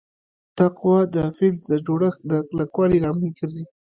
دا قوه د فلز د جوړښت د کلکوالي لامل ګرځي.